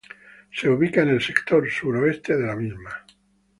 Se ubica en el sector sur-oeste de la misma.